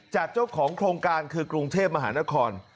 เจ้าของโครงการคือกรุงเทพมหานคร